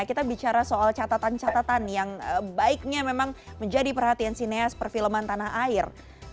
kita bicara soal catatan catatan yang baiknya memang menjadi perhatian sineas perfilman tanah air